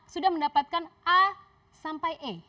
sudah mendapatkan a sampai e